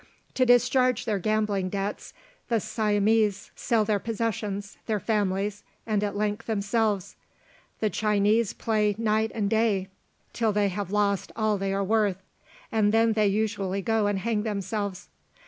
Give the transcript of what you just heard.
To discharge their gambling debts, the Siamese sell their possessions, their families, and at length themselves. The Chinese play night and day, till they have lost all they are worth; and then they usually go and hang themselves.